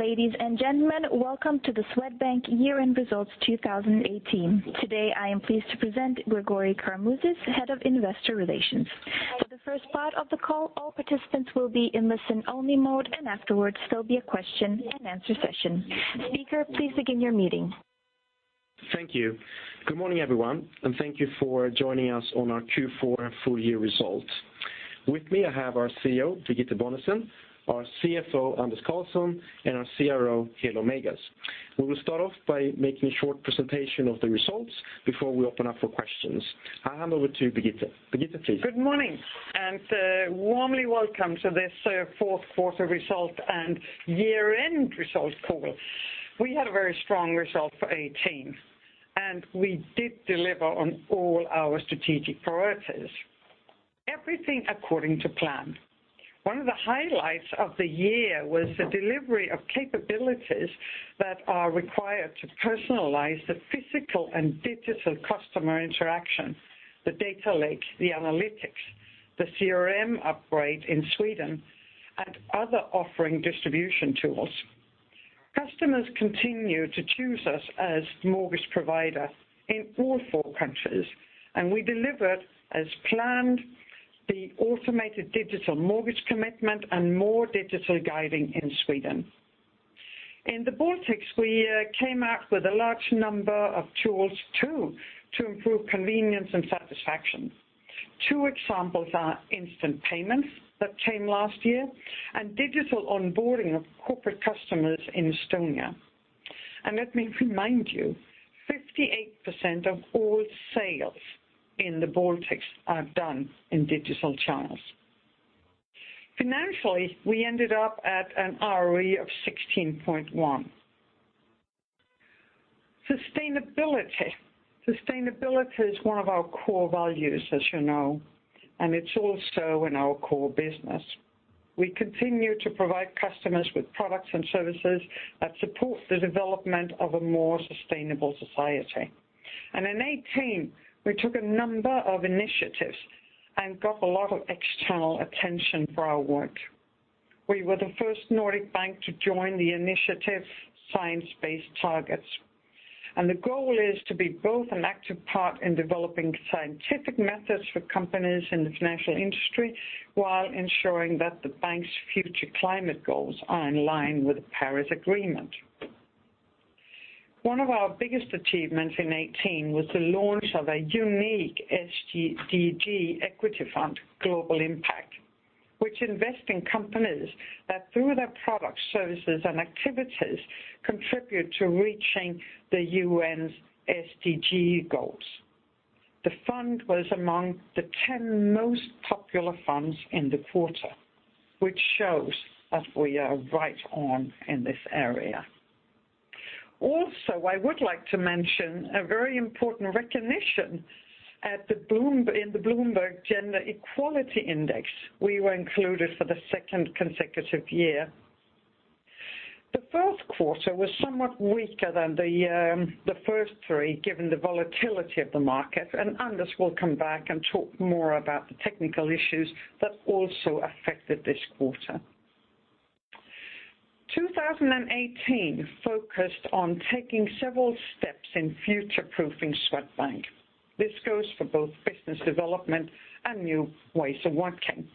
Ladies and gentlemen, welcome to the Swedbank Year-End Results 2018. Today, I am pleased to present Gregori Karamouzis, head of Investor Relations. For the first part of the call, all participants will be in listen-only mode, and afterwards, there'll be a question-and-answer session. Speaker, please begin your meeting. Thank you. Good morning, everyone, and thank you for joining us on our Q4 full year results. With me, I have our CEO, Birgitte Bonnesen, our CFO, Anders Karlsson, and our CRO, Helo Meigas. We will start off by making a short presentation of the results before we open up for questions. I'll hand over to Birgitte. Birgitte, please. Good morning, and warmly welcome to this fourth quarter result and year-end result call. We had a very strong result for 2018, and we did deliver on all our strategic priorities, everything according to plan. One of the highlights of the year was the delivery of capabilities that are required to personalize the physical and digital customer interaction, the data lake, the analytics, the CRM upgrade in Sweden, and other offering distribution tools. Customers continue to choose us as mortgage provider in all four countries, and we delivered as planned the automated digital mortgage commitment and more digital guiding in Sweden. In the Baltics, we came out with a large number of tools, too, to improve convenience and satisfaction. Two examples are instant payments that came last year and digital onboarding of corporate customers in Estonia. Let me remind you, 58% of all sales in the Baltics are done in digital channels. Financially, we ended up at an ROE of 16.1%. Sustainability. Sustainability is one of our core values, as you know, and it's also in our core business. We continue to provide customers with products and services that support the development of a more sustainable society. In 2018, we took a number of initiatives and got a lot of external attention for our work. We were the first Nordic bank to join the initiative, Science Based Targets, and the goal is to be both an active part in developing scientific methods for companies in the financial industry, while ensuring that the bank's future climate goals are in line with the Paris Agreement. One of our biggest achievements in 2018 was the launch of a unique SDG equity fund, Global Impact, which invest in companies that, through their products, services, and activities, contribute to reaching the UN's SDG goals. The fund was among the 10 most popular funds in the quarter, which shows that we are right on in this area. Also, I would like to mention a very important recognition in the Bloomberg Gender Equality Index. We were included for the second consecutive year. The first quarter was somewhat weaker than the first three, given the volatility of the market, and Anders will come back and talk more about the technical issues that also affected this quarter. 2018 focused on taking several steps in future-proofing Swedbank. This goes for both business development and new ways of working.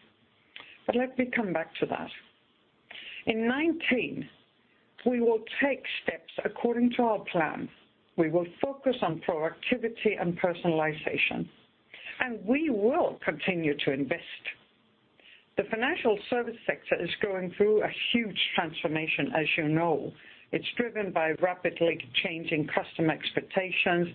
But let me come back to that. In 2019, we will take steps according to our plan. We will focus on productivity and personalization, and we will continue to invest. The financial service sector is going through a huge transformation, as you know. It's driven by rapidly changing customer expectations,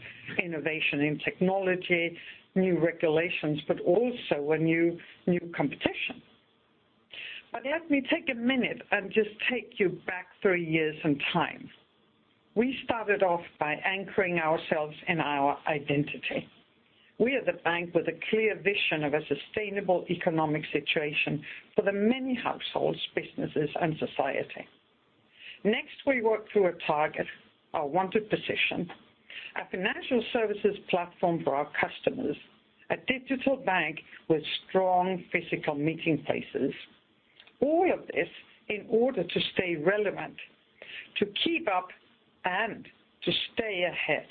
innovation in technology, new regulations, but also a new, new competition. But let me take a minute and just take you back three years in time. We started off by anchoring ourselves in our identity. We are the bank with a clear vision of a sustainable economic situation for the many households, businesses, and society. Next, we worked through a target, our wanted position, a financial services platform for our customers, a digital bank with strong physical meeting places, all of this in order to stay relevant, to keep up, and to stay ahead.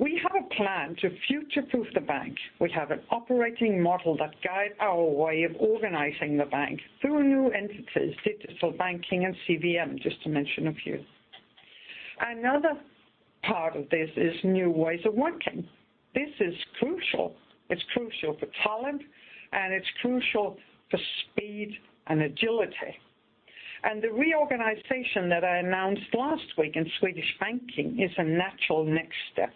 We have a plan to future-proof the bank. We have an operating model that guides our way of organizing the bank through new entities, digital banking, and CVM, just to mention a few. Another part of this is new ways of working. This is crucial. It's crucial for talent, and it's crucial for speed and agility. The reorganization that I announced last week in Swedish Banking is a natural next step.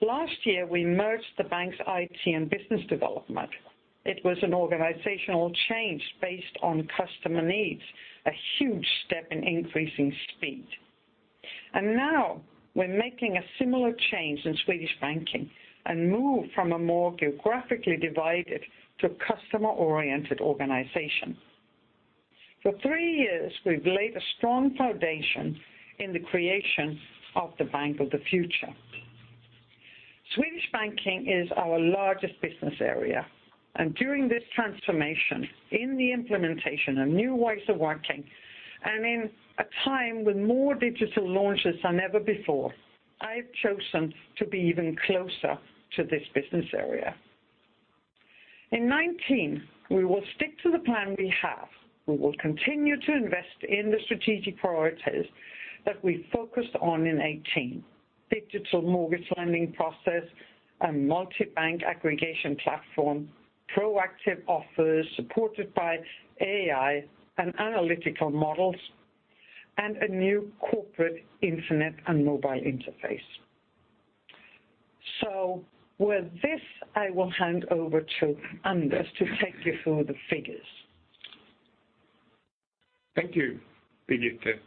Last year, we merged the bank's IT and business development. It was an organizational change based on customer needs, a huge step in increasing speed. Now we're making a similar change in Swedish Banking and move from a more geographically divided to a customer-oriented organization. For three years, we've laid a strong foundation in the creation of the bank of the future. Swedish Banking is our largest business area, and during this transformation, in the implementation of new ways of working, and in a time with more digital launches than ever before, I have chosen to be even closer to this business area. In 2019, we will stick to the plan we have. We will continue to invest in the strategic priorities that we focused on in 2018. Digital mortgage lending process and multi-bank aggregation platform, proactive offers supported by AI and analytical models, and a new corporate internet and mobile interface. So with this, I will hand over to Anders to take you through the figures. Thank you, Birgitte.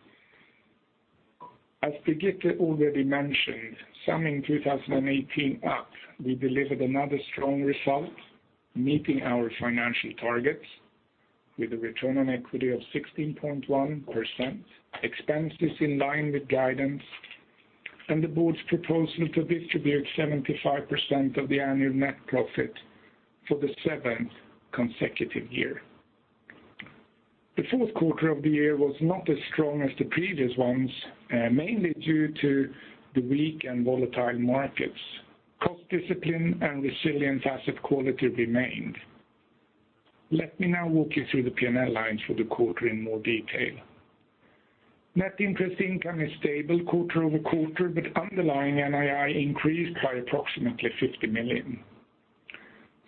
As Birgitte already mentioned, summing 2018 up, we delivered another strong result, meeting our financial targets with a return on equity of 16.1%, expenses in line with guidance, and the board's proposal to distribute 75% of the annual net profit for the 7th consecutive year. The fourth quarter of the year was not as strong as the previous ones, mainly due to the weak and volatile markets. Cost discipline and resilient asset quality remained. Let me now walk you through the P&L lines for the quarter in more detail. Net interest income is stable quarter-over-quarter, but underlying NII increased by approximately 50 million.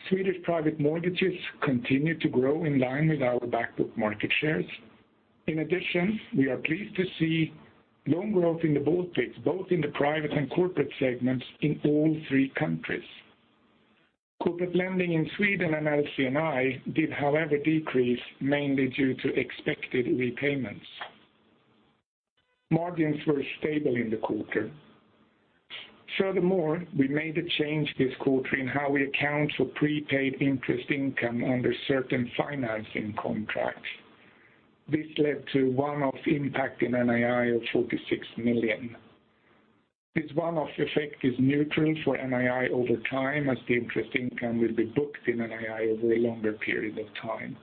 Swedish private mortgages continue to grow in line with our back book market shares. In addition, we are pleased to see loan growth in the Baltics, both in the private and corporate segments in all three countries. Corporate lending in Sweden and LC&I did, however, decrease mainly due to expected repayments. Margins were stable in the quarter. Furthermore, we made a change this quarter in how we account for prepaid interest income under certain financing contracts. This led to one-off impact in NII of 46 million. This one-off effect is neutral for NII over time, as the interest income will be booked in NII over a longer period of time.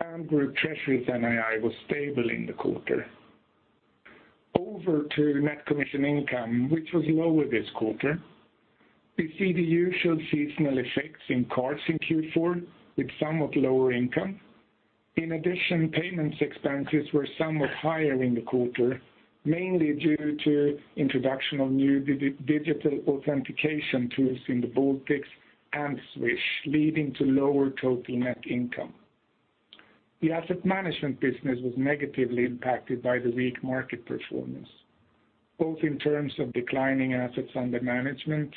And Group Treasury's NII was stable in the quarter. Over to net commission income, which was lower this quarter. We see the usual seasonal effects in cards in Q4, with somewhat lower income. In addition, payments expenses were somewhat higher in the quarter, mainly due to introduction of new digital authentication tools in the Baltics and Swish, leading to lower total net income. The asset management business was negatively impacted by the weak market performance, both in terms of declining assets under management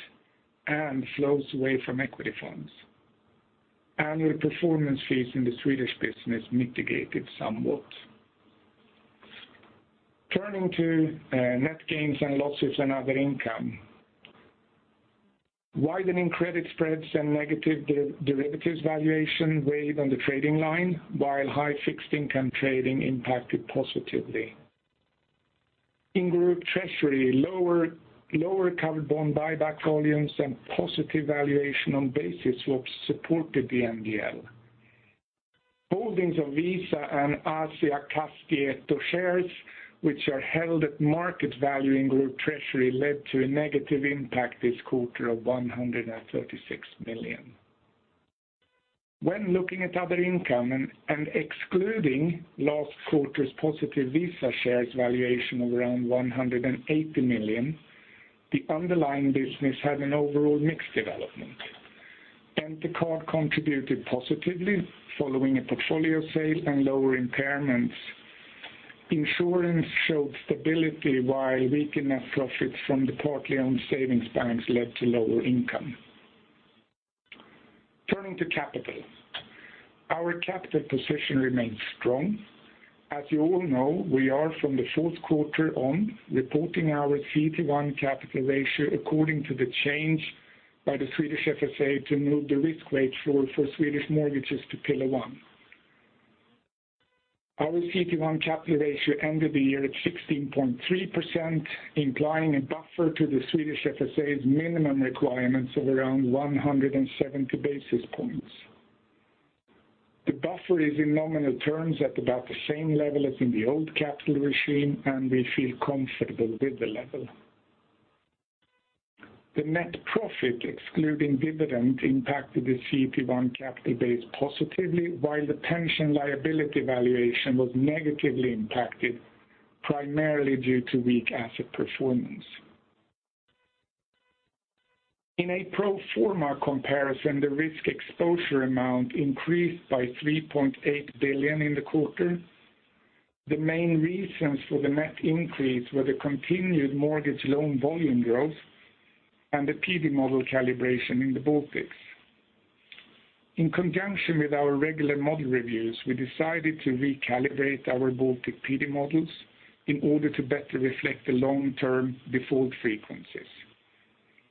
and flows away from equity funds. Annual performance fees in the Swedish business mitigated somewhat. Turning to net gains and losses and other income. Widening credit spreads and negative derivatives valuation weighed on the trading line, while high fixed income trading impacted positively. In Group Treasury, lower covered bond buyback volumes and positive valuation on basis swaps supported the NGL. Holdings of Visa and Asiakastieto shares, which are held at market value in Group Treasury, led to a negative impact this quarter of 136 million. When looking at other income and excluding last quarter's positive Visa shares valuation of around 180 million, the underlying business had an overall mixed development. The card contributed positively following a portfolio sale and lower impairments. Insurance showed stability, while weakened net profits from the partly owned savings banks led to lower income. Turning to capital. Our capital position remains strong. As you all know, we are from the fourth quarter on, reporting our CET1 capital ratio according to the change by the Swedish FSA to move the risk weight floor for Swedish mortgages to Pillar 1. Our CET1 capital ratio ended the year at 16.3%, implying a buffer to the Swedish FSA's minimum requirements of around 170 basis points. The buffer is in nominal terms at about the same level as in the old capital regime, and we feel comfortable with the level. The net profit, excluding dividend, impacted the CET1 capital base positively, while the pension liability valuation was negatively impacted, primarily due to weak asset performance. In a pro forma comparison, the risk exposure amount increased by 3.8 billion in the quarter. The main reasons for the net increase were the continued mortgage loan volume growth and the PD model calibration in the Baltics. In conjunction with our regular model reviews, we decided to recalibrate our Baltic PD models in order to better reflect the long-term default frequencies.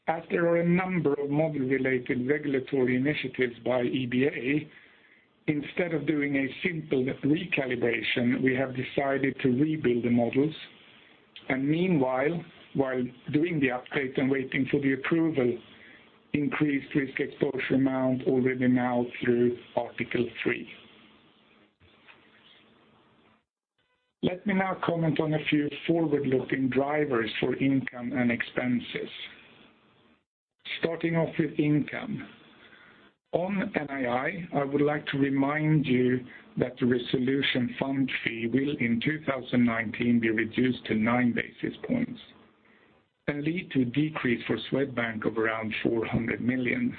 As there are a number of model-related regulatory initiatives by EBA... Instead of doing a simple recalibration, we have decided to rebuild the models. Meanwhile, while doing the update and waiting for the approval, increased risk exposure amount already now through Article 3. Let me now comment on a few forward-looking drivers for income and expenses. Starting off with income. On NII, I would like to remind you that the resolution fund fee will, in 2019, be reduced to 9 basis points and lead to a decrease for Swedbank of around 400 million.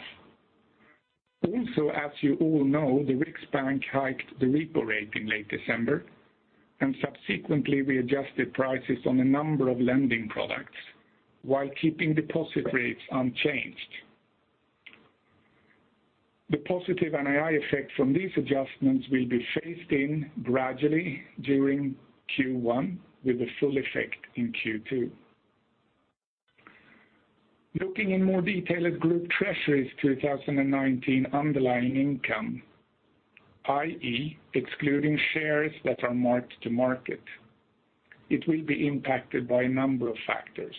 Also, as you all know, the Riksbank hiked the repo rate in late December and subsequently readjusted prices on a number of lending products while keeping deposit rates unchanged. The positive NII effect from these adjustments will be phased in gradually during Q1, with the full effect in Q2. Looking in more detail at Group Treasury's 2019 underlying income, i.e., excluding shares that are marked to market, it will be impacted by a number of factors.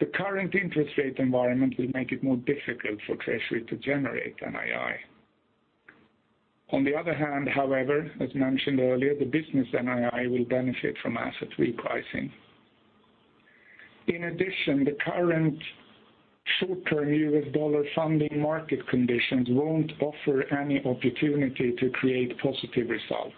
The current interest rate environment will make it more difficult for Treasury to generate NII. On the other hand, however, as mentioned earlier, the business NII will benefit from asset repricing. In addition, the current short-term US dollar funding market conditions won't offer any opportunity to create positive results.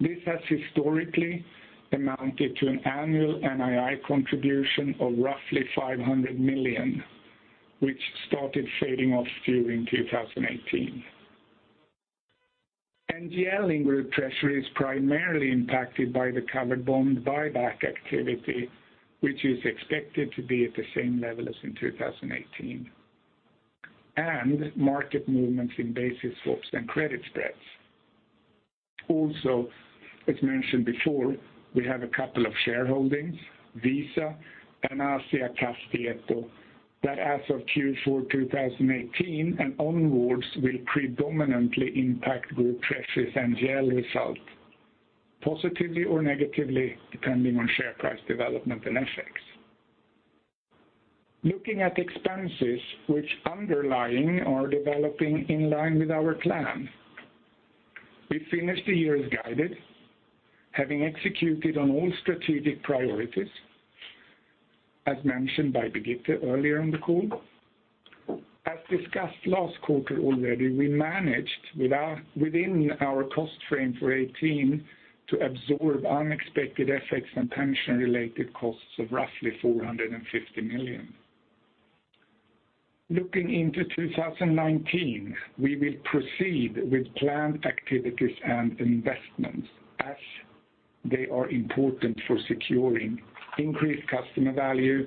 This has historically amounted to an annual NII contribution of roughly 500 million, which started fading off during 2018. NGL in Group Treasury is primarily impacted by the covered bond buyback activity, which is expected to be at the same level as in 2018, and market movements in basis swaps and credit spreads. Also, as mentioned before, we have a couple of shareholdings, Visa and Asiakastieto, that as of Q4 2018 and onwards, will predominantly impact Group Treasury's NGL result, positively or negatively, depending on share price development and effects. Looking at expenses which underlying are developing in line with our plan, we finished the year as guided, having executed on all strategic priorities, as mentioned by Birgitte earlier in the call. As discussed last quarter already, we managed within our cost frame for 2018 to absorb unexpected effects and pension-related costs of roughly 450 million. Looking into 2019, we will proceed with planned activities and investments as they are important for securing increased customer value,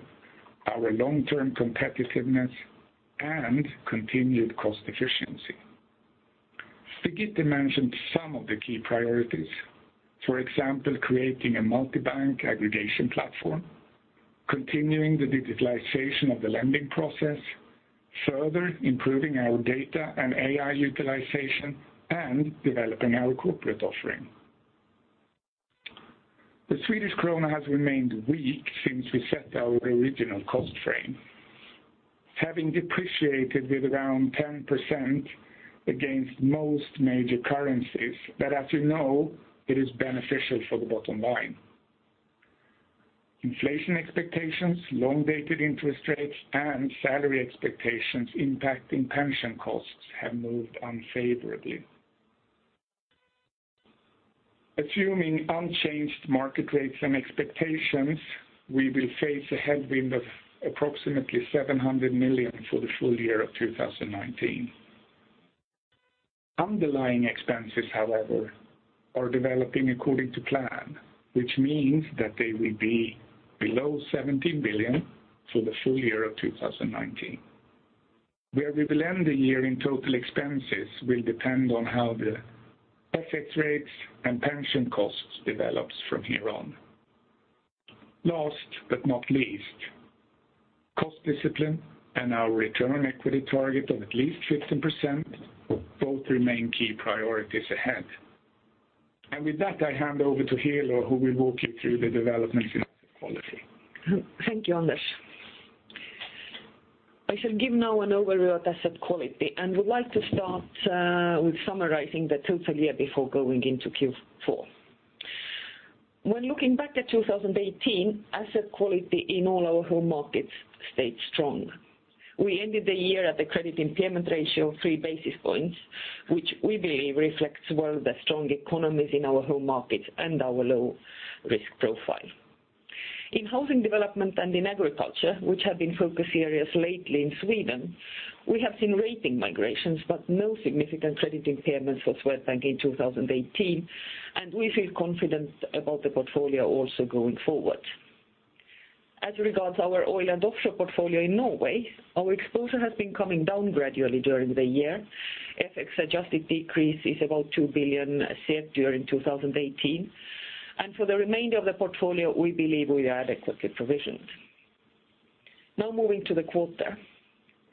our long-term competitiveness, and continued cost efficiency. Birgitte mentioned some of the key priorities, for example, creating a multi-bank aggregation platform, continuing the digitalization of the lending process, further improving our data and AI utilization, and developing our corporate offering. The Swedish krona has remained weak since we set our original cost frame, having depreciated with around 10% against most major currencies, but as you know, it is beneficial for the bottom line. Inflation expectations, long-dated interest rates, and salary expectations impacting pension costs have moved unfavorably. Assuming unchanged market rates and expectations, we will face a headwind of approximately 700 million for the full year of 2019. Underlying expenses, however, are developing according to plan, which means that they will be below 17 billion for the full year of 2019. Where we will end the year in total expenses will depend on how the interest rates and pension costs develop from here on. Last but not least, cost discipline and our return on equity target of at least 15% both remain key priorities ahead. With that, I hand over to Helo, who will walk you through the developments in asset quality. Thank you, Anders. I shall give now an overview of asset quality, and would like to start with summarizing the total year before going into Q4. When looking back at 2018, asset quality in all our home markets stayed strong. We ended the year at the credit impairment ratio of three basis points, which we believe reflects well the strong economies in our home markets and our low risk profile. In housing development and in agriculture, which have been focus areas lately in Sweden, we have seen rating migrations, but no significant credit impairments for Swedbank in 2018, and we feel confident about the portfolio also going forward. As regards our oil and offshore portfolio in Norway, our exposure has been coming down gradually during the year. FX-adjusted decrease is about 2 billion saved during 2018, and for the remainder of the portfolio, we believe we are adequately provisioned. Now moving to the quarter.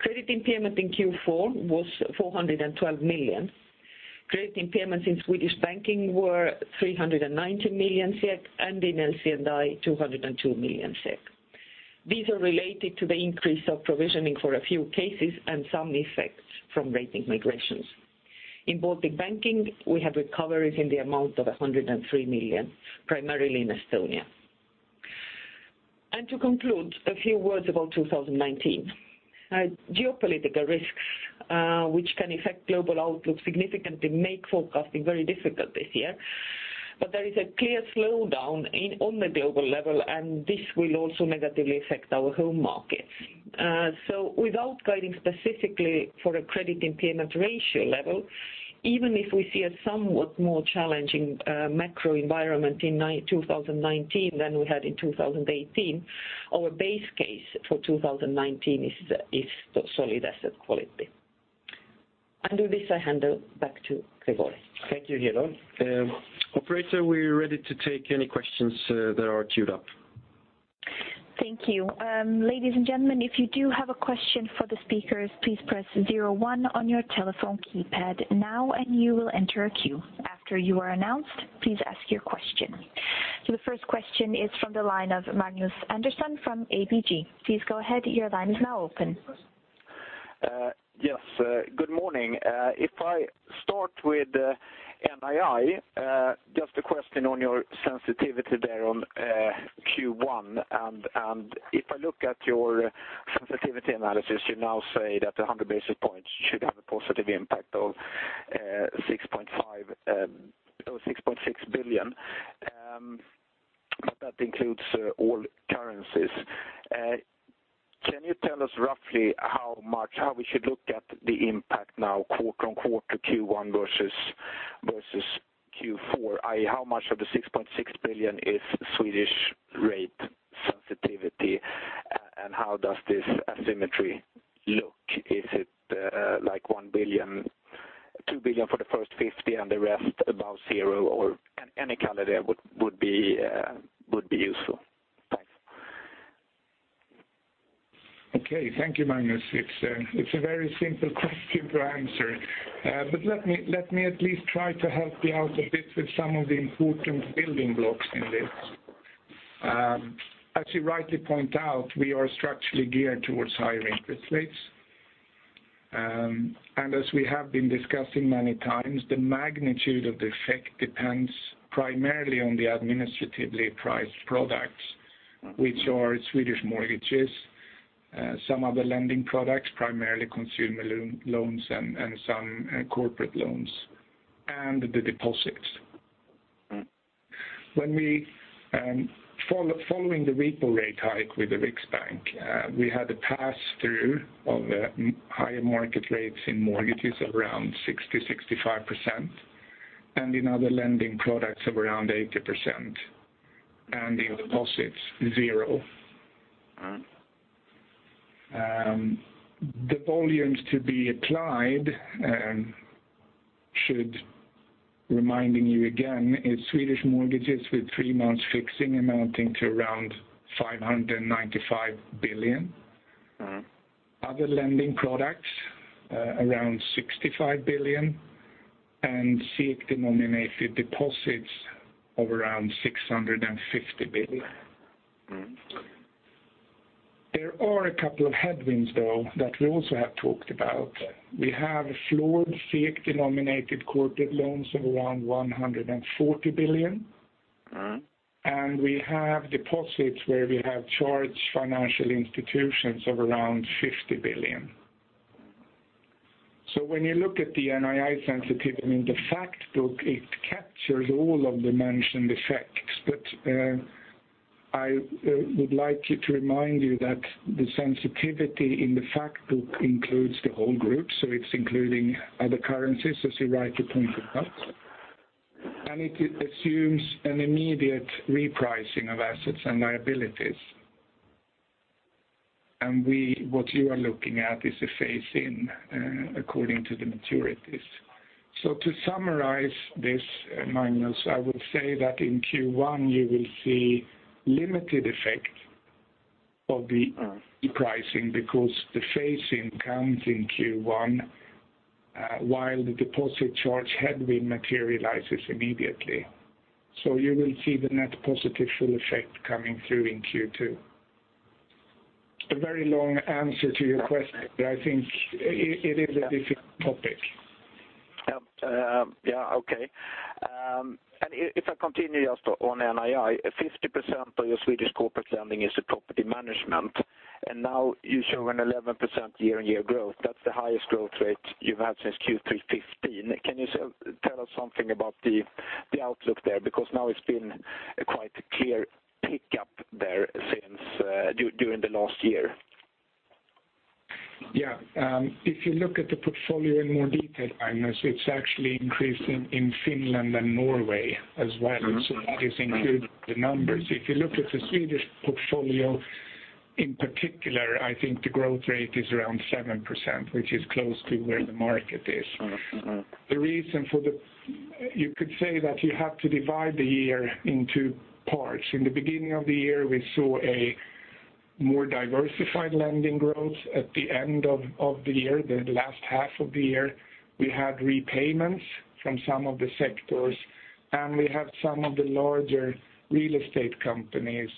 Credit impairment in Q4 was 412 million. Credit impairments in Swedish Banking were 390 million SEK, and in LC&I, 202 million SEK. These are related to the increase of provisioning for a few cases and some effects from rating migrations. In Baltic Banking, we have recoveries in the amount of 103 million, primarily in Estonia. To conclude, a few words about 2019. Geopolitical risks, which can affect global outlook significantly, make forecasting very difficult this year. But there is a clear slowdown in, on the global level, and this will also negatively affect our home markets. So without guiding specifically for a credit impairment ratio level, even if we see a somewhat more challenging macro environment in 2019 than we had in 2018, our base case for 2019 is, is solid asset quality. With this, I hand it back to Gregori. Thank you, Helo. Operator, we're ready to take any questions that are queued up. Thank you. Ladies and gentlemen, if you do have a question for the speakers, please press zero-one on your telephone keypad now, and you will enter a queue. After you are announced, please ask your question. The first question is from the line of Magnus Andersson from ABG. Please go ahead, your line is now open. Yes, good morning. If I start with NII, just a question on your sensitivity there on Q1, and if I look at your sensitivity analysis, you now say that 100 basis points should have a positive impact of 6.5 or 6.6 billion. But that includes all currencies. Can you tell us roughly how much, how we should look at the impact now, quarter-over-quarter, Q1 versus Q4? i.e., how much of the 6.6 billion is Swedish rate sensitivity, and how does this asymmetry look? Is it like 1 billion, 2 billion for the first 50, and the rest above zero, or any color there would be useful. Thanks. Okay, thank you, Magnus. It's, it's a very simple question to answer. But let me, let me at least try to help you out a bit with some of the important building blocks in this. As you rightly point out, we are structurally geared towards higher interest rates. And as we have been discussing many times, the magnitude of the effect depends primarily on the administratively priced products, which are Swedish mortgages, some other lending products, primarily consumer loans, and some corporate loans, and the deposits. Mm-hmm. When we following the repo rate hike with the Riksbank, we had a pass-through of higher market rates in mortgages of around 60%-65%, and in other lending products of around 80%, and in deposits, 0%. Mm-hmm. The volumes to be applied, should, reminding you again, is Swedish mortgages with three months fixing amounting to around 595 billion. Mm-hmm. Other lending products, around 65 billion, and SEK-denominated deposits of around 650 billion. Mm-hmm. There are a couple of headwinds, though, that we also have talked about. We have floored SEK-denominated corporate loans of around 140 billion. Mm-hmm. We have deposits where we have charged financial institutions of around 50 billion. So when you look at the NII sensitivity in the fact book, it captures all of the mentioned effects. But I would like you to remind you that the sensitivity in the fact book includes the whole group, so it's including other currencies, as you rightly pointed out. And it assumes an immediate repricing of assets and liabilities. And what you are looking at is a phase-in according to the maturities. So to summarize this, Magnus, I will say that in Q1, you will see limited effect of the repricing because the phase-in comes in Q1 while the deposit charge headwind materializes immediately. So you will see the net positive full effect coming through in Q2. A very long answer to your question, but I think it is a difficult topic. Yeah, okay. And if I continue just on NII, 50% of your Swedish corporate lending is a property management, and now you show an 11% year-on-year growth. That's the highest growth rate you've had since Q3 2015. Can you tell us something about the outlook there? Because now it's been quite a clear pick-up there since during the last year. Yeah. If you look at the portfolio in more detail, Magnus, it's actually increasing in Finland and Norway as well, so that is included in the numbers. If you look at the Swedish portfolio, in particular, I think the growth rate is around 7%, which is close to where the market is. Mm-hmm. The reason for the... You could say that you have to divide the year in two parts. In the beginning of the year, we saw more diversified lending growth at the end of, of the year. The last half of the year, we had repayments from some of the sectors, and we had some of the larger real estate companies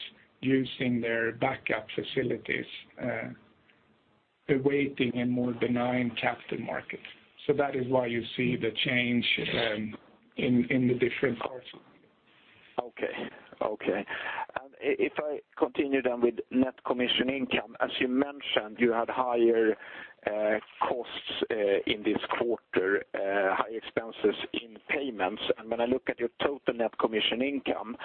using their backup facilities, awaiting a more benign capital market. So that is why you see the change, in, in the different parts. Okay. Okay, and if I continue then with net commission income, as you mentioned, you had higher costs in this quarter, high expenses in payments. And when I look at your total net commission income,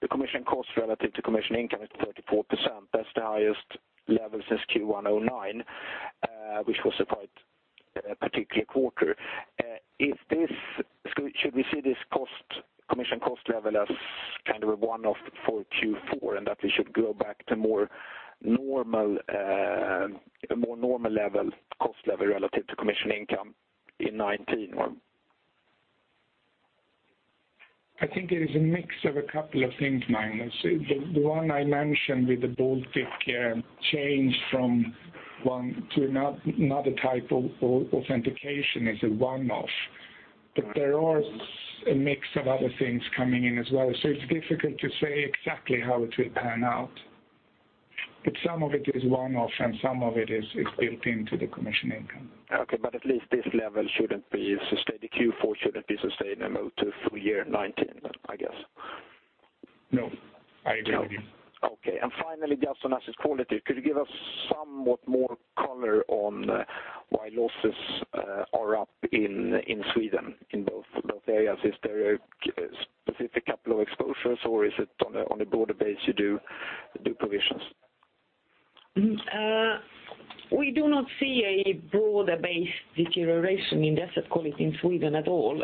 the commission costs relative to commission income is 34%. That's the highest level since Q1 2009, which was a quite particular quarter. Is this so should we see this cost commission cost level as kind of a one-off for Q4, and that we should go back to more normal, a more normal level, cost level relative to commission income in 2019, or? I think it is a mix of a couple of things, Magnus. The one I mentioned with the Baltic change from one to another type of authentication is a one-off. But there are a mix of other things coming in as well, so it's difficult to say exactly how it will pan out. But some of it is one-off, and some of it is built into the commission income. Okay, but at least this level shouldn't be sustained, the Q4 shouldn't be sustainable to full year 2019, I guess? No, I agree with you. Okay. Finally, just on asset quality, could you give us somewhat more color on why losses are up in Sweden in both areas? Is there a specific couple of exposures, or is it on a broader base you do provisions? We do not see a broader base deterioration in asset quality in Sweden at all.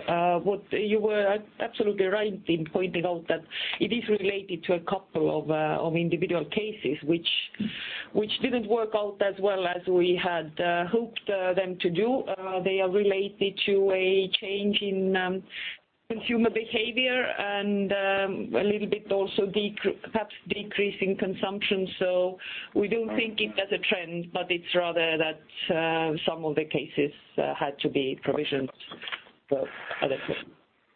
What you were absolutely right in pointing out that it is related to a couple of individual cases which didn't work out as well as we had hoped them to do. They are related to a change in consumer behavior and a little bit also perhaps decreasing consumption. So we don't think it as a trend, but it's rather that some of the cases had to be provisioned, but.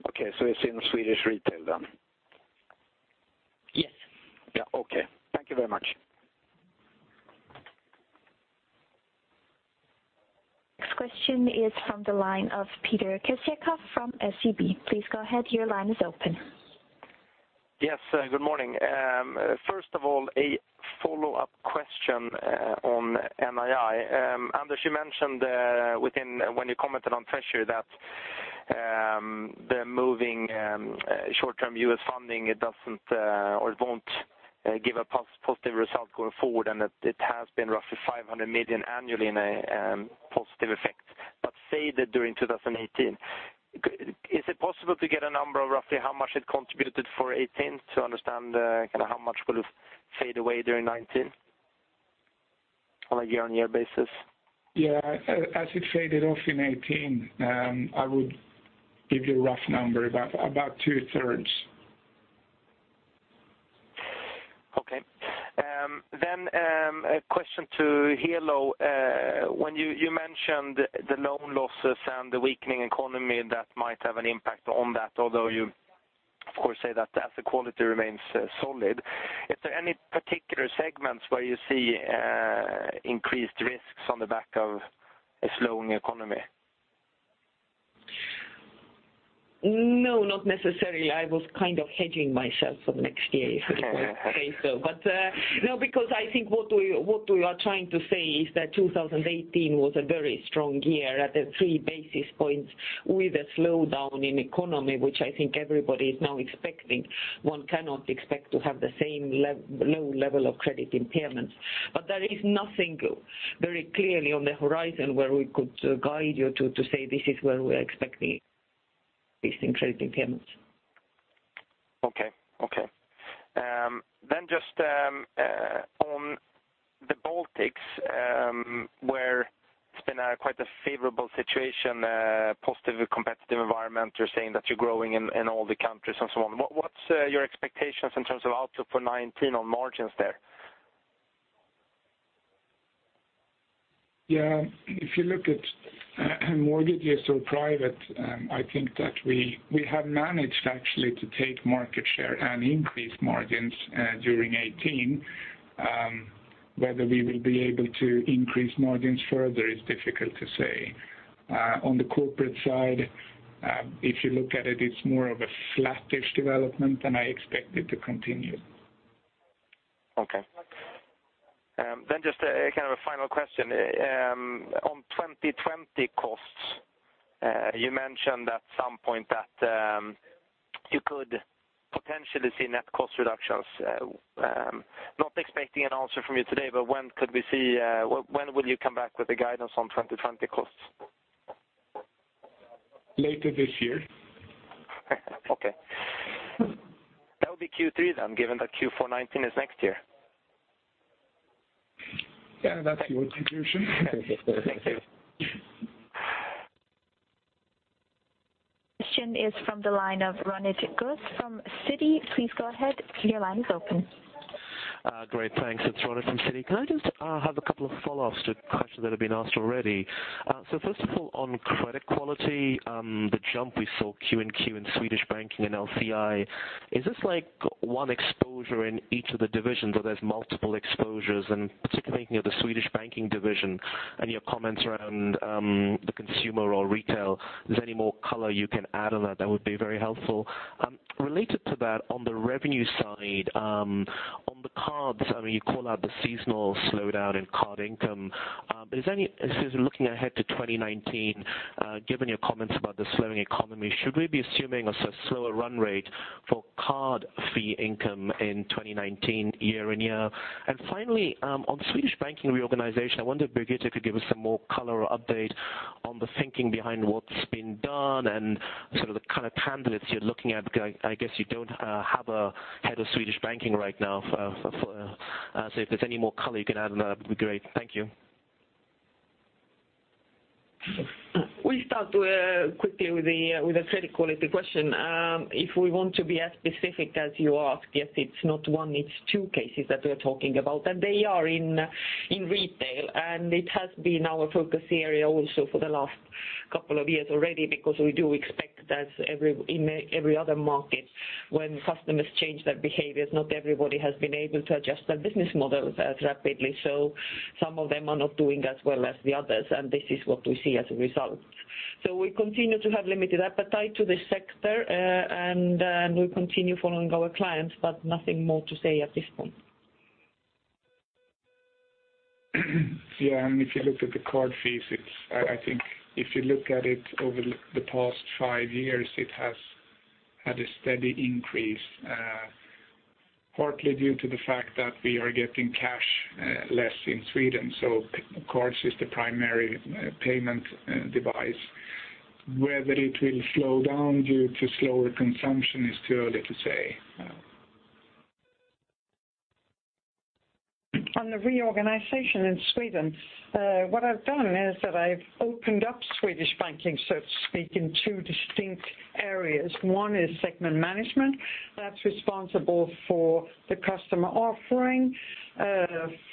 Okay, so it's in Swedish retail then? Yes. Yeah, okay. Thank you very much. Next question is from the line of Peter Kirsbom from SEB. Please go ahead, your line is open. Yes, good morning. First of all, a follow-up question on NII. Anders, you mentioned, when you commented on treasury, that the moving short-term U.S. funding, it doesn't or it won't give a positive result going forward, and that it has been roughly $500 million annually in a positive effect, but faded during 2018. Is it possible to get a number of roughly how much it contributed for 2018 to understand kind of how much would have fade away during 2019? On a year-on-year basis. Yeah, as it faded off in 2018, I would give you a rough number, about two-thirds. Okay. Then, a question to Helo. When you mentioned the loan losses and the weakening economy, that might have an impact on that, although you, of course, say that the asset quality remains solid. Is there any particular segments where you see increased risks on the back of a slowing economy? No, not necessarily. I was kind of hedging myself for next year, if I say so. But, no, because I think what we, what we are trying to say is that 2018 was a very strong year at 3 basis points with a slowdown in economy, which I think everybody is now expecting. One cannot expect to have the same low level of credit impairments. But there is nothing very clearly on the horizon where we could guide you to, to say this is where we are expecting this in credit impairments. Okay. Okay. Then just, on the Baltics, where it's been quite a favorable situation, positive competitive environment, you're saying that you're growing in, in all the countries and so on. What, what's, your expectations in terms of outlook for 2019 on margins there? Yeah. If you look at mortgages or private, I think that we have managed actually to take market share and increase margins during 2018. Whether we will be able to increase margins further is difficult to say. On the corporate side, if you look at it, it's more of a flattish development, and I expect it to continue. Okay. Then just a kind of a final question. On 2020 costs, you mentioned at some point that you could potentially see net cost reductions. Not expecting an answer from you today, but when could we see, when will you come back with the guidance on 2020 costs? Later this year. Okay. That would be Q3 then, given that Q4 2019 is next year. Yeah, that's your conclusion. Thank you.... question is from the line of Ronit Ghose from Citi. Please go ahead, your line is open. Great, thanks. It's Ronit from Citi. Can I just have a couple of follow-ups to questions that have been asked already? So first of all, on credit quality, the jump we saw Q and Q in Swedish Banking and LCI, is this like one exposure in each of the divisions, or there's multiple exposures? And particularly thinking of the Swedish Banking division and your comments around the consumer or retail, if there's any more color you can add on that, that would be very helpful. Related to that, on the revenue side, on the cards, I mean, you call out the seasonal slowdown in card income. But is as you're looking ahead to 2019, given your comments about the slowing economy, should we be assuming a sort of slower run rate for card fee income in 2019 year-on-year? And finally, on the Swedish Banking reorganization, I wonder if Birgitte could give us some more color or update on the thinking behind what's been done and sort of the kind of candidates you're looking at, because I, I guess you don't have a head of Swedish Banking right now for, for... So if there's any more color you can add on that, that'd be great. Thank you. We start quickly with the credit quality question. If we want to be as specific as you ask, yes, it's not one, it's two cases that we are talking about, and they are in retail. It has been our focus area also for the last couple of years already, because we do expect that every, in every other market, when customers change their behaviors, not everybody has been able to adjust their business model as rapidly. So some of them are not doing as well as the others, and this is what we see as a result. So we continue to have limited appetite to this sector, and we continue following our clients, but nothing more to say at this point. Yeah, and if you look at the card fees, it's. I think if you look at it over the past five years, it has had a steady increase, partly due to the fact that we are getting cash less in Sweden, so cards is the primary payment device. Whether it will slow down due to slower consumption is too early to say. On the reorganization in Sweden, what I've done is that I've opened up Swedish Banking, so to speak, in two distinct areas. One is segment management, that's responsible for the customer offering,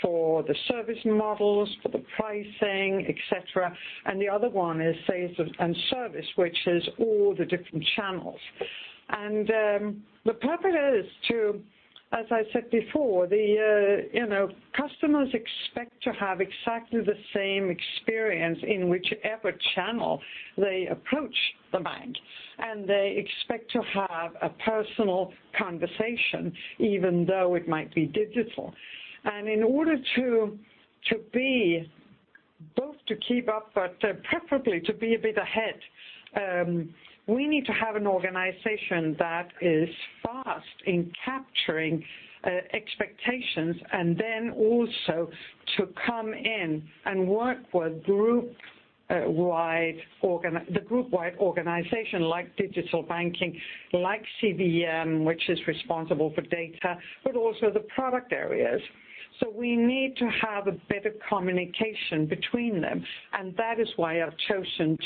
for the service models, for the pricing, et cetera. And the other one is sales and service, which is all the different channels. And, the purpose is to, as I said before, you know, customers expect to have exactly the same experience in whichever channel they approach the bank. And they expect to have a personal conversation, even though it might be digital. In order to both keep up, but preferably to be a bit ahead, we need to have an organization that is fast in capturing expectations, and then also to come in and work with groupwide organ- the groupwide organization, like digital banking, like CBM, which is responsible for data, but also the product areas. So we need to have a better communication between them, and that is why I've chosen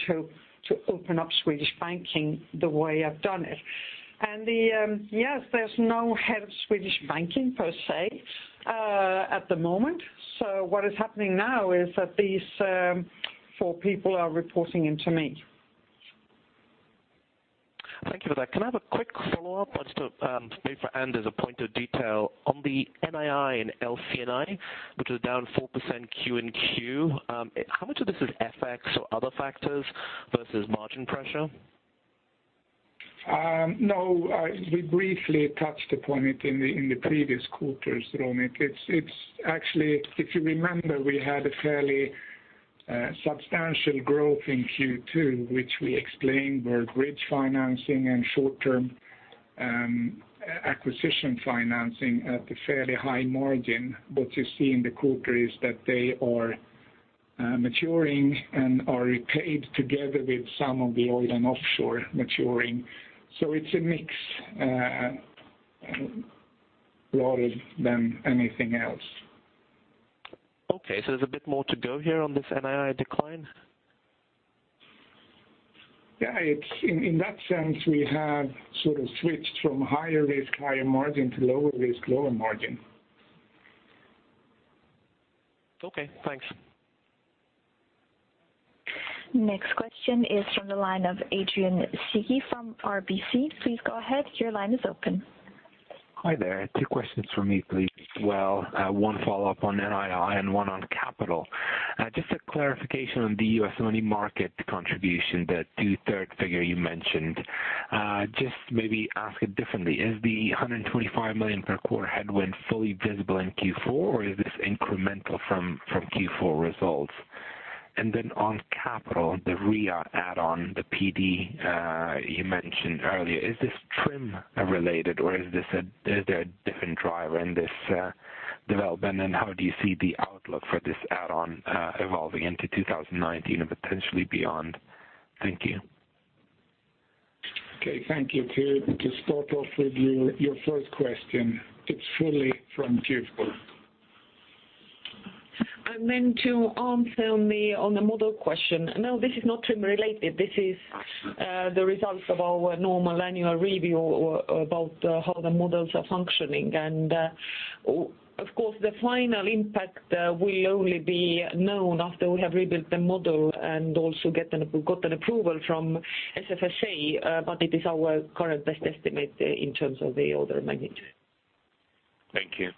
to open up Swedish Banking the way I've done it. And yes, there's no head of Swedish Banking per se at the moment. So what is happening now is that these four people are reporting into me. Thank you for that. Can I have a quick follow-up? I just, maybe for Anders, a point of detail. On the NII and LC&I, which was down 4% quarter-over-quarter, how much of this is FX or other factors versus margin pressure? No, we briefly touched upon it in the previous quarters, Ronit. It's actually, if you remember, we had a fairly substantial growth in Q2, which we explained were bridge financing and short-term acquisition financing at a fairly high margin. What you see in the quarter is that they are maturing and are repaid together with some of the oil and offshore maturing. So it's a mix more than anything else. Okay, so there's a bit more to go here on this NII decline? Yeah, it's in that sense we have sort of switched from higher risk, higher margin to lower risk, lower margin. Okay, thanks. Next question is from the line of Adrian Cighi from RBC. Please go ahead, your line is open. Hi there. Two questions from me, please. Well, one follow-up on NII and one on capital. Just a clarification on the U.S. money market contribution, that two-thirds figure you mentioned. Just maybe ask it differently. Is the 125 million per quarter headwind fully visible in Q4, or is this incremental from Q4 results? And then on capital, the REA add-on, the PD you mentioned earlier, is this TRIM related, or is there a different driver in this development? And how do you see the outlook for this add-on evolving into 2019 and potentially beyond? Thank you. Okay, thank you. To start off with your first question, it's fully from Q4.... And then to answer on the, on the model question, no, this is not TRIM related. This is the result of our normal annual review about how the models are functioning. And, of course, the final impact will only be known after we have rebuilt the model and also gotten approval from SFSA, but it is our current best estimate in terms of the order of magnitude. Thank you.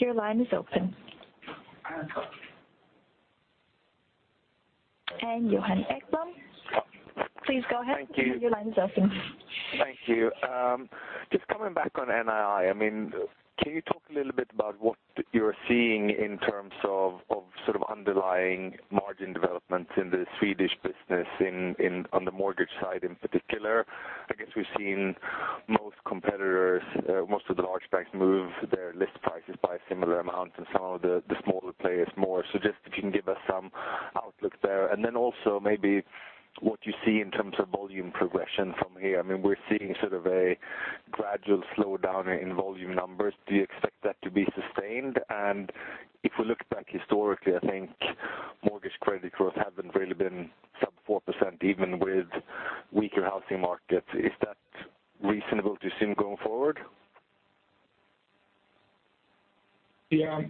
Your line is open. Johan Ekblom, please go ahead. Thank you. Your line is open. Thank you. Just coming back on NII, I mean, can you talk a little bit about what you're seeing in terms of, of sort of underlying margin development in the Swedish business in, in, on the mortgage side in particular? I guess we've seen most competitors, most of the large banks move their list prices by a similar amount, and some of the, the smaller players more. So just if you can give us some outlook there. And then also maybe what you see in terms of volume progression from here. I mean, we're seeing sort of a gradual slowdown in volume numbers. Do you expect that to be sustained? And if we look back historically, I think mortgage credit growth haven't really been sub 4%, even with weaker housing markets. Is that reasonable to assume going forward? Yeah.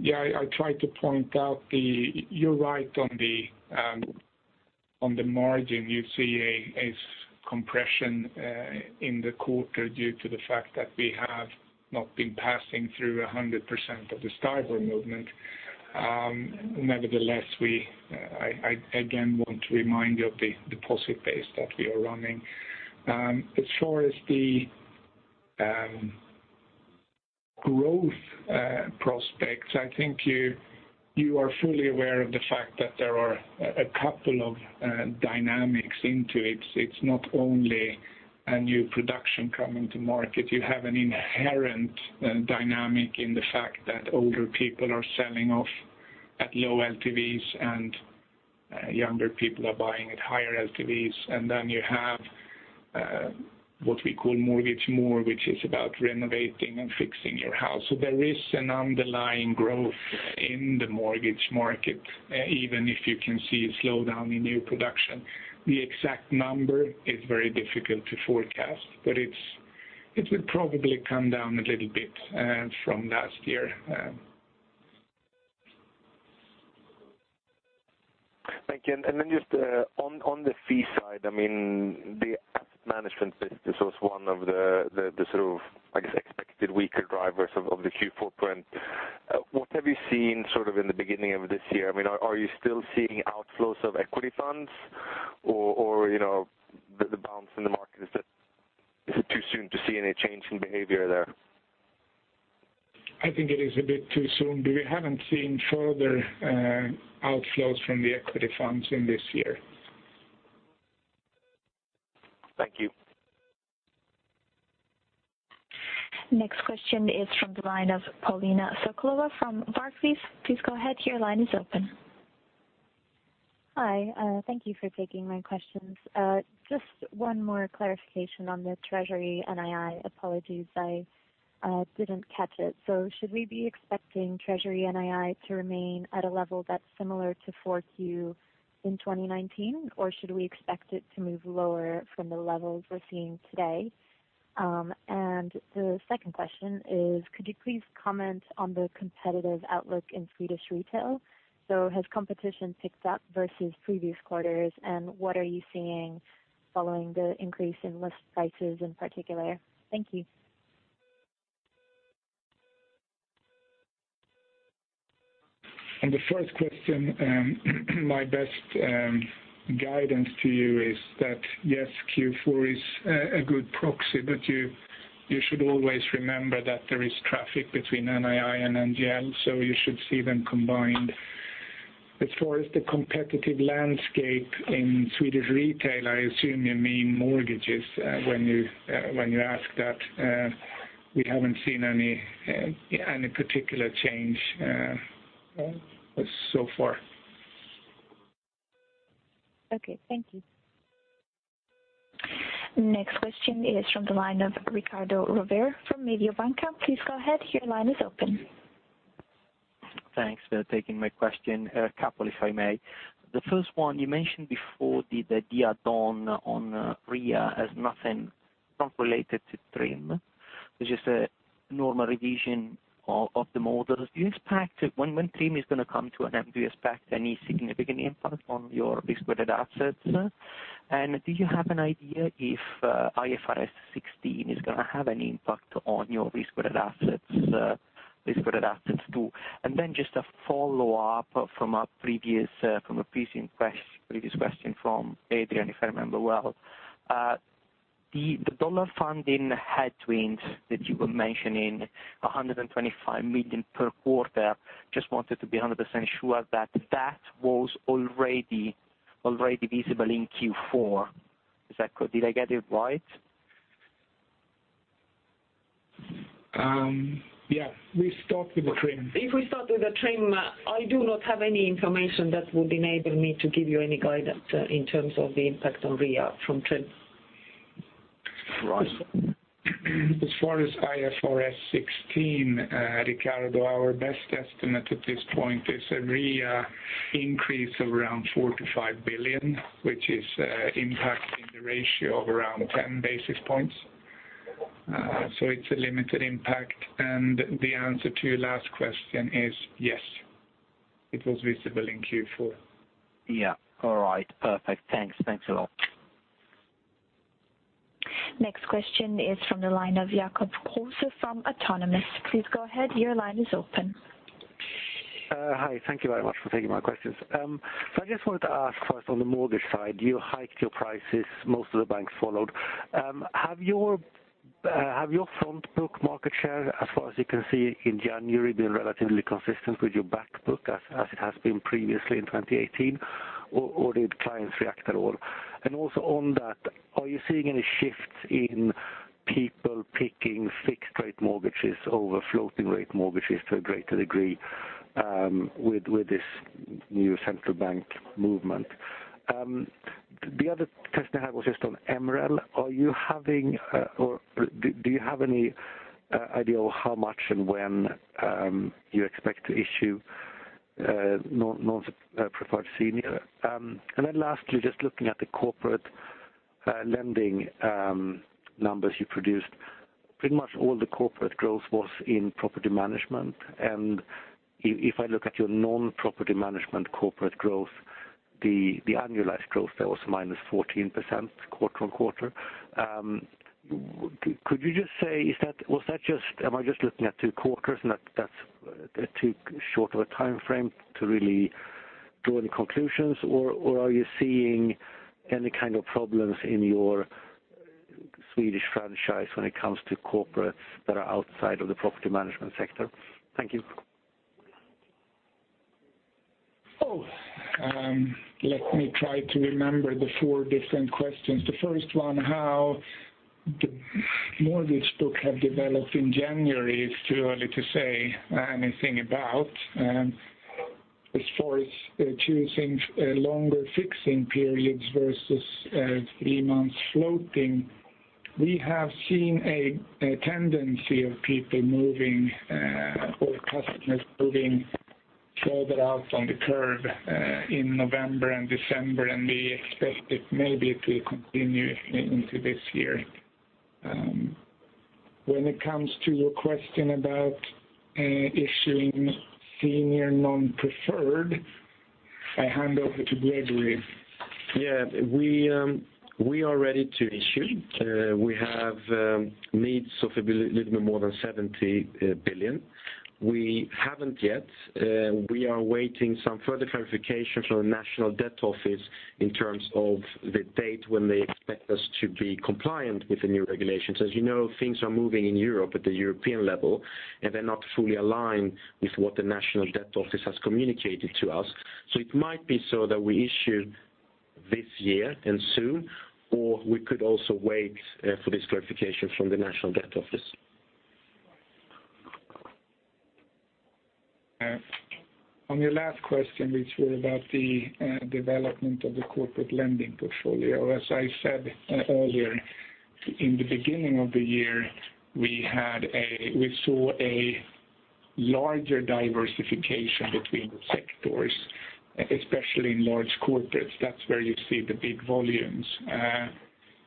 Yeah, I tried to point out the... You're right on the, on the margin, you see a compression in the quarter due to the fact that we have not been passing through 100% of the STIBOR movement. Nevertheless, we, I again, want to remind you of the deposit base that we are running. As far as the growth prospects, I think you, you are fully aware of the fact that there are a couple of dynamics into it. It's not only a new production coming to market. You have an inherent dynamic in the fact that older people are selling off at low LTVs and younger people are buying at higher LTVs. And then you have what we call Mortgage More, which is about renovating and fixing your house. There is an underlying growth in the mortgage market, even if you can see a slowdown in new production. The exact number is very difficult to forecast, but it will probably come down a little bit from last year. Thank you. And then just on the fee side, I mean, the asset management business was one of the sort of, I guess, expected weaker drivers of the Q4 print. What have you seen sort of in the beginning of this year? I mean, are you still seeing outflows of equity funds or, you know, the bounce in the market, is it too soon to see any change in behavior there? I think it is a bit too soon, but we haven't seen further outflows from the equity funds in this year. Thank you. Next question is from the line of Paulina Sokolova from Barclays. Please go ahead, your line is open. Hi, thank you for taking my questions. Just one more clarification on the treasury NII. Apologies, I didn't catch it. So should we be expecting treasury NII to remain at a level that's similar to Q4 in 2019, or should we expect it to move lower from the levels we're seeing today? And the second question is, could you please comment on the competitive outlook in Swedish retail? So has competition picked up versus previous quarters, and what are you seeing following the increase in list prices in particular? Thank you. On the first question, my best guidance to you is that, yes, Q4 is a good proxy, but you should always remember that there is traffic between NII and NGL, so you should see them combined. As far as the competitive landscape in Swedish retail, I assume you mean mortgages, when you ask that. We haven't seen any particular change so far. Okay, thank you. Next question is from the line of Riccardo Rovere from Mediobanca. Please go ahead, your line is open. Thanks for taking my question. A couple, if I may. The first one, you mentioned before the add-on on REA as nothing not related to TRIM, which is a normal revision of the models. Do you expect when TRIM is going to come to an end, do you expect any significant impact on your risk-weighted assets? And do you have an idea if IFRS 16 is going to have an impact on your risk-weighted assets, risk-weighted assets, too? And then just a follow-up from a previous question from Adrian, if I remember well. The dollar funding headwinds that you were mentioning, $125 million per quarter, just wanted to be 100% sure that that was already visible in Q4. Is that correct? Did I get it right?... yeah, we start with the TRIM. If we start with the TRIM, I do not have any information that would enable me to give you any guidance in terms of the impact on RWA from TRIM. As far as IFRS 16, Riccardo, our best estimate at this point is a RWA increase of around 4 billion-5 billion, which is impacting the ratio of around 10 basis points. So it's a limited impact, and the answer to your last question is yes, it was visible in Q4. Yeah. All right. Perfect. Thanks. Thanks a lot. Next question is from the line of Jacob Kruse from Autonomous. Please go ahead, your line is open. Hi, thank you very much for taking my questions. So I just wanted to ask first, on the mortgage side, you hiked your prices, most of the banks followed. Have your front book market share, as far as you can see in January, been relatively consistent with your back book as it has been previously in 2018, or did clients react at all? And also on that, are you seeing any shifts in people picking fixed rate mortgages over floating rate mortgages to a greater degree, with this new central bank movement? The other question I had was just on MREL. Are you having, or do you have any idea of how much and when you expect to issue non-preferred senior? Then lastly, just looking at the corporate lending numbers you produced, pretty much all the corporate growth was in property management. And if I look at your non-property management corporate growth, the annualized growth there was -14% quarter-on-quarter. Could you just say, is that, was that just, am I just looking at two quarters, and that, that's too short of a time frame to really draw any conclusions? Or are you seeing any kind of problems in your Swedish franchise when it comes to corporates that are outside of the property management sector? Thank you. Let me try to remember the four different questions. The first one, how the mortgage book have developed in January, it's too early to say anything about. As far as choosing longer fixing periods versus three-month floating, we have seen a tendency of people moving or customers moving further out on the curve in November and December, and we expect it maybe to continue into this year. When it comes to your question about issuing senior non-preferred, I hand over to Gregori. Yeah, we are ready to issue. We have needs of a little bit more than 70 billion. We haven't yet. We are waiting some further clarification from the National Debt Office in terms of the date when they expect us to be compliant with the new regulations. As you know, things are moving in Europe at the European level, and they're not fully aligned with what the National Debt Office has communicated to us. So it might be so that we issue this year and soon, or we could also wait for this clarification from the National Debt Office. On your last question, which were about the development of the corporate lending portfolio, as I said earlier, in the beginning of the year, we had. We saw a larger diversification between sectors, especially in large corporates. That's where you see the big volumes.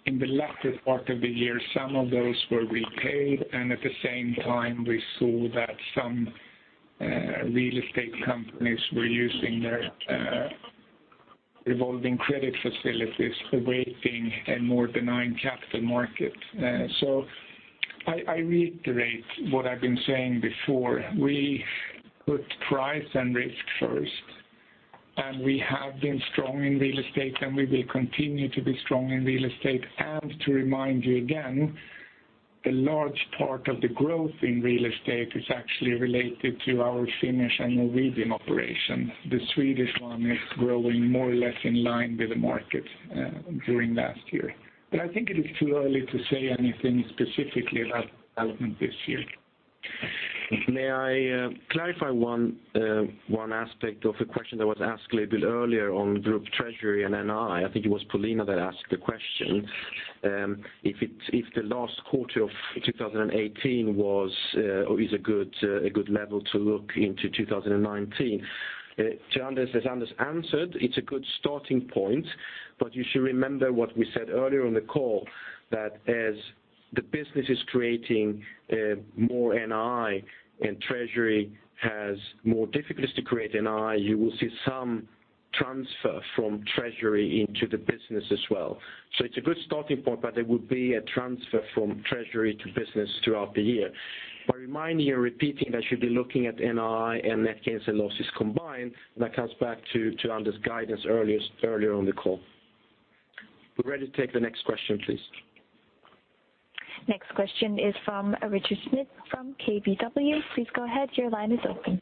In the latter part of the year, some of those were repaid, and at the same time, we saw that some real estate companies were using their revolving credit facilities, awaiting a more benign capital market. So I reiterate what I've been saying before, we put price and risk first, and we have been strong in real estate, and we will continue to be strong in real estate. To remind you again, a large part of the growth in real estate is actually related to our Finnish and Norwegian operations. The Swedish one is growing more or less in line with the market, during last year. But I think it is too early to say anything specifically about development this year. May I clarify one aspect of a question that was asked a little bit earlier on Group Treasury and NII? I think it was Paulina that asked the question. If it, if the last quarter of 2018 was, or is a good, a good level to look into 2019? To Anders, as Anders answered, it's a good starting point, but you should remember what we said earlier on the call, that as the business is creating more NII, and treasury has more difficulties to create NII, you will see some transfer from treasury into the business as well. So it's a good starting point, but there will be a transfer from treasury to business throughout the year. But reminding and repeating that you should be looking at NII and net gains and losses combined, that comes back to, to Anders' guidance earlier, earlier on the call. We're ready to take the next question, please. Next question is from Richard Smith, from KBW. Please go ahead, your line is open....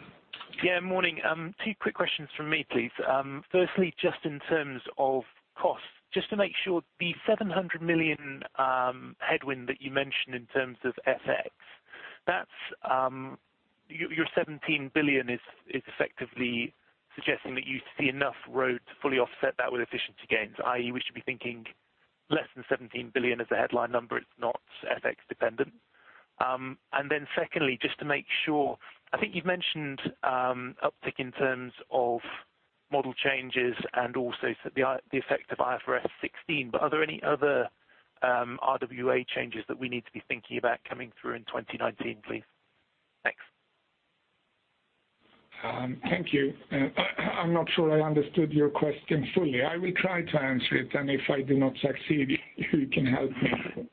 Yeah, morning. Two quick questions from me, please. Firstly, just in terms of cost, just to make sure, the 700 million headwind that you mentioned in terms of FX, that's your seventeen billion is effectively suggesting that you see enough road to fully offset that with efficiency gains, i.e., we should be thinking less than 17 billion as the headline number, it's not FX dependent. And then secondly, just to make sure, I think you've mentioned uptick in terms of model changes and also the effect of IFRS 16. But are there any other RWA changes that we need to be thinking about coming through in 2019, please? Thanks. Thank you. I'm not sure I understood your question fully. I will try to answer it, and if I do not succeed, you can help me.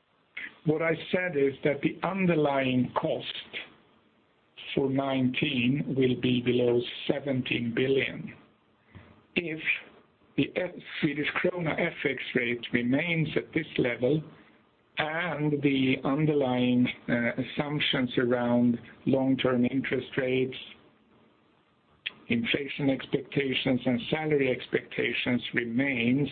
What I said is that the underlying cost for 2019 will be below 17 billion. If the Swedish krona FX rate remains at this level, and the underlying assumptions around long-term interest rates, inflation expectations, and salary expectations remains,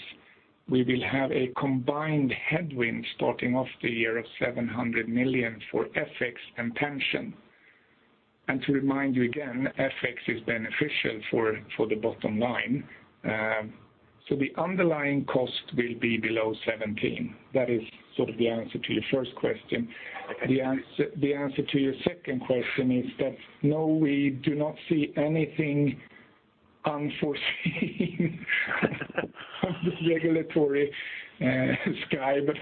we will have a combined headwind starting off the year of 700 million for FX and pension. And to remind you again, FX is beneficial for, for the bottom line. So the underlying cost will be below 17 billion. That is sort of the answer to your first question. The answer, the answer to your second question is that, no, we do not see anything unforeseen, of the regulatory sky. But,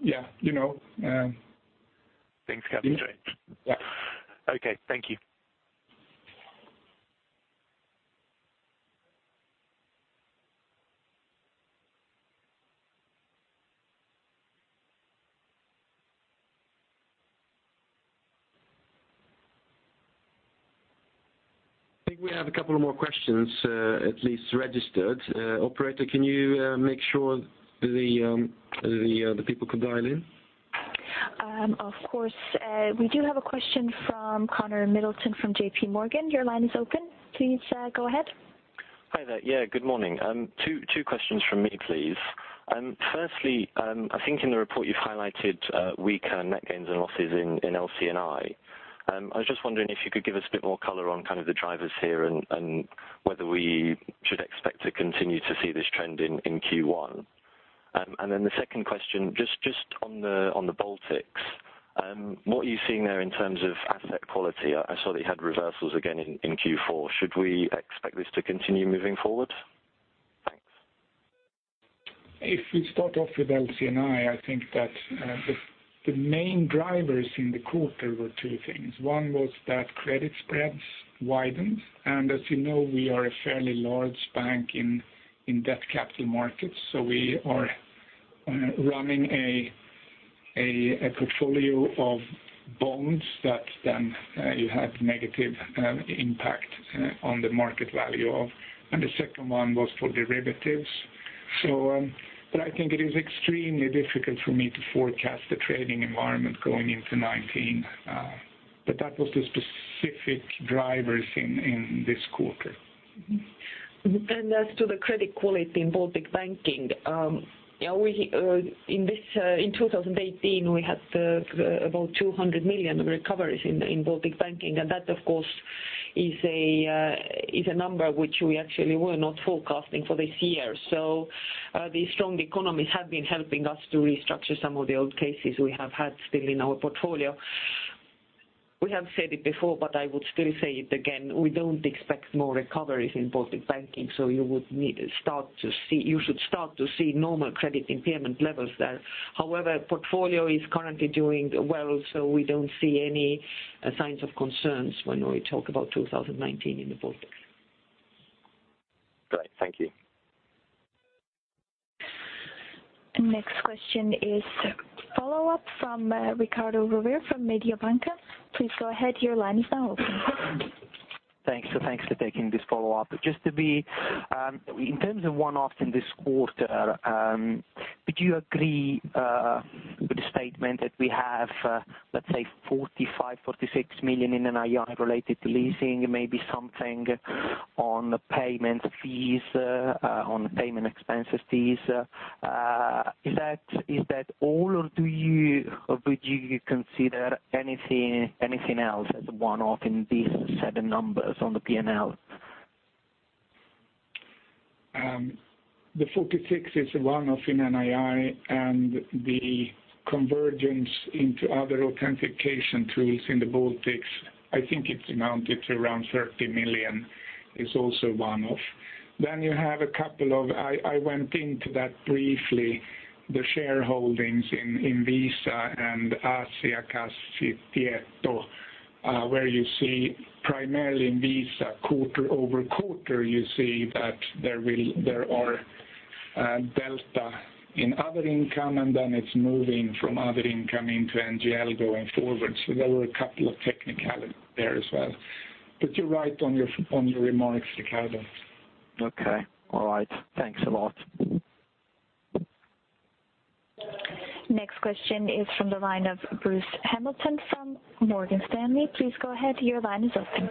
yeah, you know, Thanks, Karin. Yeah. Okay. Thank you. I think we have a couple of more questions, at least registered. Operator, can you make sure the people could dial in? Of course. We do have a question from Connor Middleton from JPMorgan. Your line is open. Please, go ahead. Hi there. Yeah, good morning. Two questions from me, please. Firstly, I think in the report you've highlighted weaker net gains and losses in LC&I. I was just wondering if you could give us a bit more color on kind of the drivers here and whether we should expect to continue to see this trend in Q1. And then the second question, just on the Baltics, what are you seeing there in terms of asset quality? I saw that you had reversals again in Q4. Should we expect this to continue moving forward? Thanks. If we start off with LC&I, I think that the main drivers in the quarter were two things. One was that credit spreads widened, and as you know, we are a fairly large bank in debt capital markets, so we are running a portfolio of bonds that then you had negative impact on the market value of. And the second one was for derivatives. So, but I think it is extremely difficult for me to forecast the trading environment going into 2019, but that was the specific drivers in this quarter. Mm-hmm. And as to the credit quality in Baltic Banking, yeah, we, in this, in 2018, we had, about 200 million recoveries in, in Baltic Banking, and that, of course, is a, is a number which we actually were not forecasting for this year. So, the strong economy has been helping us to restructure some of the old cases we have had still in our portfolio. We have said it before, but I would still say it again, we don't expect more recoveries in Baltic Banking, so you should start to see normal credit impairment levels there. However, portfolio is currently doing well, so we don't see any, signs of concerns when we talk about 2019 in the Baltics. Great. Thank you. The next question is a follow-up from Riccardo Rovere from Mediobanca. Please go ahead, your line is now open. Thanks. So thanks for taking this follow-up. Just to be, in terms of one-off in this quarter, would you agree, with the statement that we have, let's say 45 million-46 million in NII related to leasing, maybe something on payment fees, on payment expenses fees? Is that, is that all, or do you- or would you consider anything, anything else as a one-off in these set of numbers on the P&L? The 46 is a one-off in NII, and the convergence into other authentication tools in the Baltics, I think it's amounted to around 30 million, is also one-off. Then you have a couple of... I went into that briefly, the shareholdings in Visa and Asiakastieto, where you see primarily in Visa, quarter-over-quarter, you see that there are delta in other income, and then it's moving from other income into NGL going forward. So there were a couple of technicalities there as well. But you're right on your remarks, Riccardo. Okay. All right. Thanks a lot. ... Next question is from the line of Bruce Hamilton from Morgan Stanley. Please go ahead. Your line is open.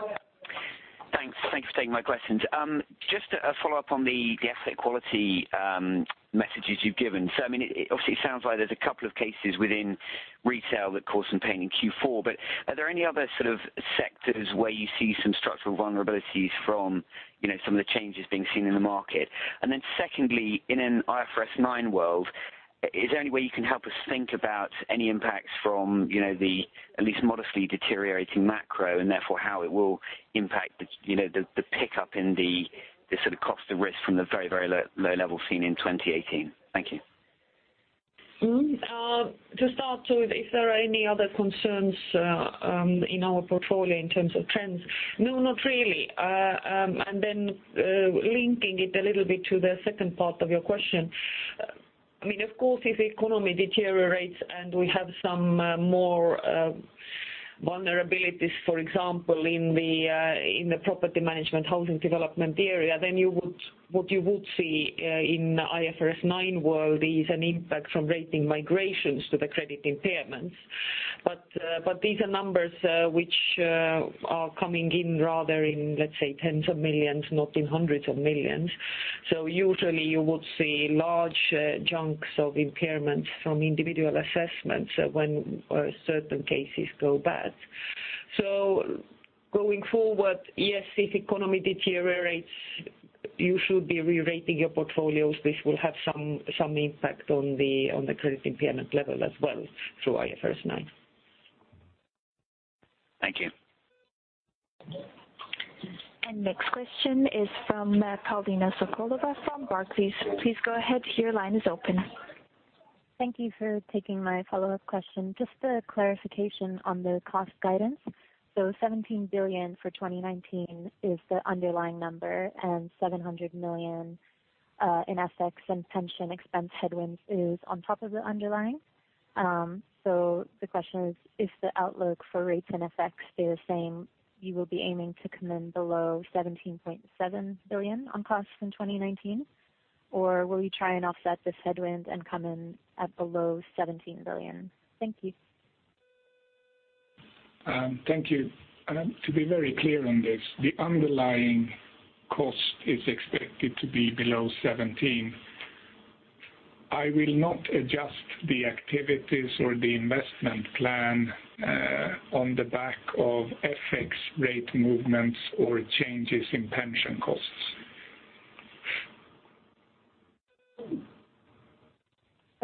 Thanks. Thanks for taking my questions. Just a follow-up on the asset quality messages you've given. So, I mean, it obviously sounds like there's a couple of cases within retail that caused some pain in Q4, but are there any other sort of sectors where you see some structural vulnerabilities from, you know, some of the changes being seen in the market? And then secondly, in an IFRS 9 world, is there any way you can help us think about any impacts from, you know, the at least modestly deteriorating macro, and therefore, how it will impact the, you know, the pickup in the sort of cost of risk from the very, very low, low level seen in 2018. Thank you. Mm-hmm, to start with, if there are any other concerns in our portfolio in terms of trends? No, not really. And then, linking it a little bit to the second part of your question. I mean, of course, if the economy deteriorates and we have some more vulnerabilities, for example, in the property management, housing development area, then what you would see in IFRS 9 world is an impact from rating migrations to the credit impairments. But, but these are numbers which are coming in rather in, let's say, tens of millions, not in hundreds of millions. So usually you would see large chunks of impairments from individual assessments when certain cases go bad. So going forward, yes, if economy deteriorates, you should be re-rating your portfolios. This will have some impact on the credit impairment level as well through IFRS 9. Thank you. Next question is from Paulina Sokolova, from Barclays. Please go ahead, your line is open. Thank you for taking my follow-up question. Just a clarification on the cost guidance. So 17 billion for 2019 is the underlying number, and 700 million in FX and pension expense headwinds is on top of the underlying. So the question is: If the outlook for rates and effects stay the same, you will be aiming to come in below 17.7 billion on costs in 2019, or will you try and offset this headwind and come in at below 17 billion? Thank you. Thank you. To be very clear on this, the underlying cost is expected to be below 17. I will not adjust the activities or the investment plan on the back of FX rate movements or changes in pension costs.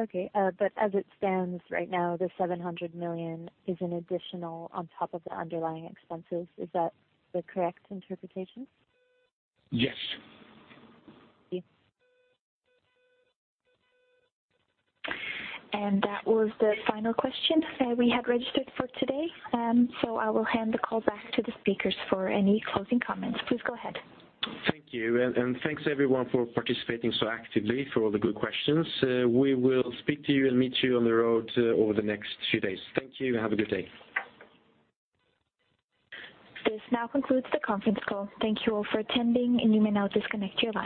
Okay, but as it stands right now, the 700 million is an additional on top of the underlying expenses. Is that the correct interpretation? Yes. Thank you. That was the final question we had registered for today. I will hand the call back to the speakers for any closing comments. Please go ahead. Thank you. And, and thanks, everyone, for participating so actively, for all the good questions. We will speak to you and meet you on the road over the next few days. Thank you, and have a good day. This now concludes the conference call. Thank you all for attending, and you may now disconnect your lines.